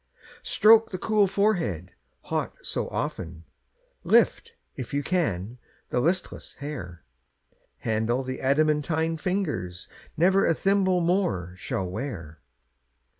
Stroke the cool forehead, hot so often, Lift, if you can, the listless hair; Handle the adamantine fingers Never a thimble more shall wear.